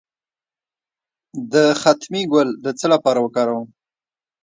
د ختمي ګل د څه لپاره وکاروم؟